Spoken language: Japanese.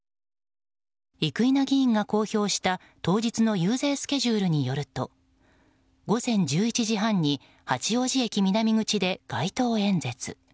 生稲議員が公表した当日の遊説スケジュールによると午前１１時半に八王子駅南口で街頭演説。